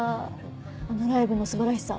あのライブの素晴らしさ